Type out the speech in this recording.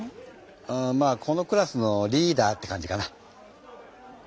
うまあこのクラスのリーダーって感じかな。